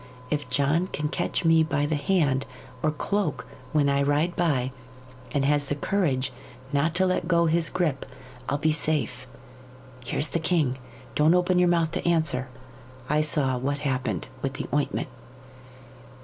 If John can catch me by the hand or cloak when I ride by, and has courage not to let go his grip, I'll be safe. Here's the king. Don't open your mouth to answer. I saw what happened with the ointment."